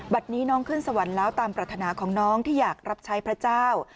นี้น้องขึ้นสวรรค์แล้วตามปรัฐนาของน้องที่อยากรับใช้พระเจ้า